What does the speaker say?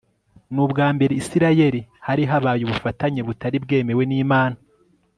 nubwa Isirayeli hari habaye ubufatanye butari bwemewe nImana